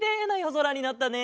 ぞらになったね！